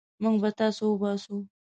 موږ به تاسي وباسو.